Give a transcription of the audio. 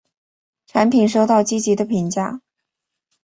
产品收到积极的评价。